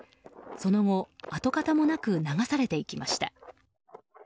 その後、跡形もなく流されていきました。